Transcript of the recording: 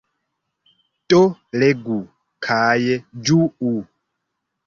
Do legu, kaj ĝuu.